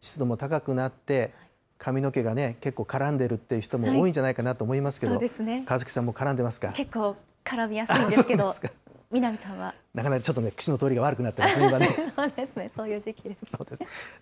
湿度も高くなって、髪の毛がね、結構絡んでるって人も多いんじゃないかなと思いますけど、結構絡みやすいですけど、南なかなかちょっと、くしの通そういう時期ですね。